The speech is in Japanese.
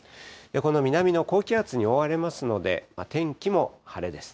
この南の高気圧に覆われますので、天気も晴れです。